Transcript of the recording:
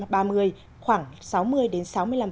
bình quân giai đoạn